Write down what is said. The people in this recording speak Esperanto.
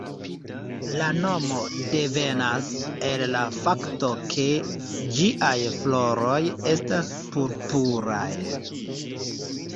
La nomo devenas el la fakto ke ĝiaj floroj estas purpuraj.